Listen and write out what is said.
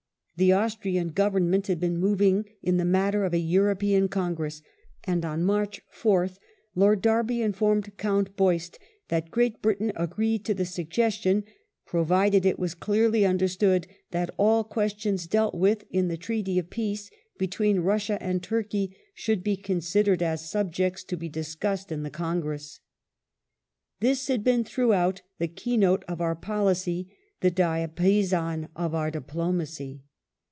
The Austrian Government had been moving in the matter of a European Con gress, and on March 4th Lord Derby informed Count Beust that Great Britain agreed to the suggestion, provided it were clearly understood that "all questions dealt with in the Ti eaty of Peace between Russia and Turkey should be considered as subjects to be discussed in the Congress ". This had been throughout " the key note of our policy," " the diapason of our diplomacy